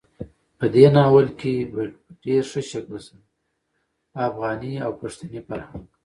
په دې ناول کې په ډېر ښه شکل سره افغاني او پښتني فرهنګ,